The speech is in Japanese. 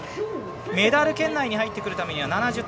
メダル圏内に入ってくるためには７０．００。